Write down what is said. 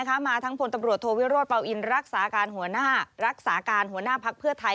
ก็มาทั้งผลตำรวจโทวิโรธเปลาอินรักษาการหัวหน้าพักเพื่อไทย